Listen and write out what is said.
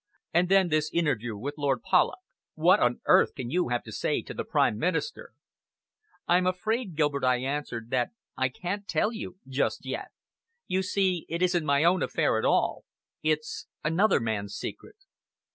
And then this interview with Lord Polloch. What on earth can you have to say to the Prime Minister?" "I'm afraid, Gilbert," I answered, "that I can't tell you just yet. You see it isn't my own affair at all. It's another man's secret."